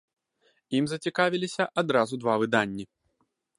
Ім зацікавіліся адразу два выданні.